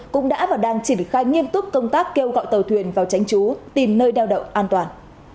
cũng đã và đang triển khai nghiêm túc công tác kêu gọi tàu thuyền vào tránh trú tìm nơi đeo đậu an toàn